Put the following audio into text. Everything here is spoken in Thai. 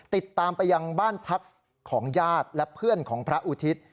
ติดตามไปยังบ้านพักของญาติและเพื่อนของพระอุทิศ